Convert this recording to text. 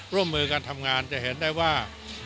ร่วมมือกันทำงานจะเห็นได้ว่า